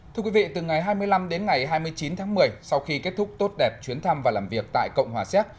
thưa quý vị từ ngày hai mươi năm đến ngày hai mươi chín tháng một mươi sau khi kết thúc tốt đẹp chuyến thăm và làm việc tại cộng hòa xéc